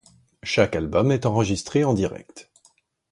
Chaque album est enregistré en direct.